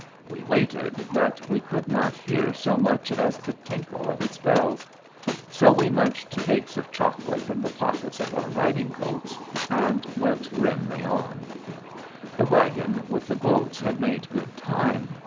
We waited, but we could not hear so much as the tinkle of its bells. So we munched cakes of chocolate from the pockets of our riding coats and went grimly on. The wagon with the boats had made good time.